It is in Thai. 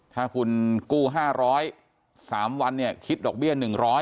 ถ้าคุณกู้ห้าร้อยสามวันเนี่ยคิดดอกเบี้ยหนึ่งร้อย